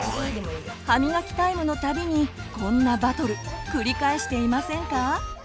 歯みがきタイムのたびにこんなバトル繰り返していませんか？